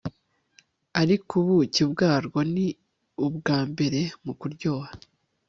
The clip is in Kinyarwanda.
ariko ubuki bwarwo ni ubwa mbere mu kuryoha